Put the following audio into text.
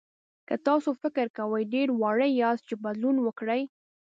که تاسو فکر کوئ ډېر واړه یاست چې بدلون وکړئ.